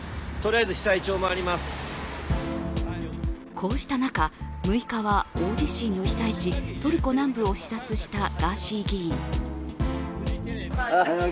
こうした中、６日は大地震の被災地トルコ南部を視察したガーシー議員。